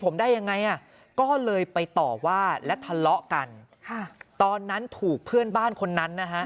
ผมได้ยังไงอ่ะก็เลยไปต่อว่าและทะเลาะกันค่ะตอนนั้นถูกเพื่อนบ้านคนนั้นนะฮะ